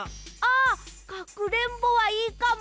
あかくれんぼはいいかも！